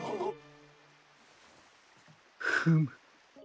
フム。